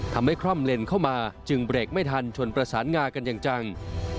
คล่อมเลนเข้ามาจึงเบรกไม่ทันชนประสานงากันอย่างจัง